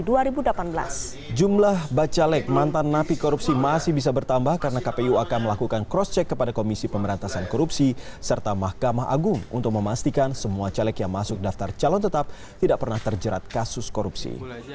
jumlah bakal calon anggota legislatif mantan narapidana kasus korupsi masih bisa bertambah karena kpu akan melakukan cross check kepada komisi pemerintahan korupsi serta mahkamah agung untuk memastikan semua bakal calon anggota legislatif yang masuk daftar calon tetap tidak pernah terjerat kasus korupsi